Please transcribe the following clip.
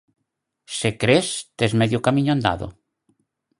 Se cres, tes medio camiño andado.